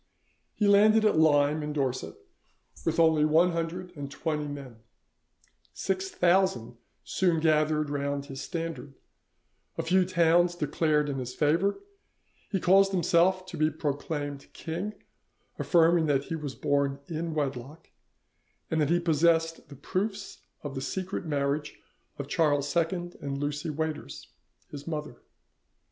He landed at Lyme, in Dorset, with only one hundred and twenty men; six thousand soon gathered round his standard; a few towns declared in his favour; he caused himself to be proclaimed king, affirming that he was born in wedlock, and that he possessed the proofs of the secret marriage of Charles II and Lucy Waiters, his mother.